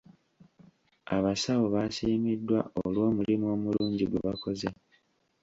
Abasawo baasiimiddwa olw'omulimu omulungi gwe bakoze.